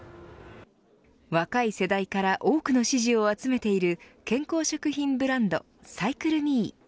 若い世代から多くの支持を集めている健康食品ブランドサイクルミー。